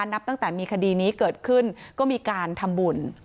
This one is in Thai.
นับตั้งแต่มีคดีนี้เกิดขึ้นก็มีการทำบุญ